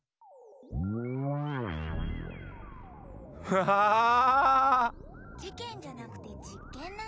ああっ⁉じけんじゃなくてじっけんなの！